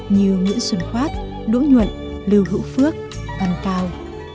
như nguyễn xuân khoát đỗ nhuận lưu hữu phước văn cao